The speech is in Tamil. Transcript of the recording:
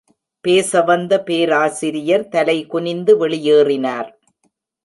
பேசவந்த பேராசிரியர் தலை குனிந்து வெளியேறினார்.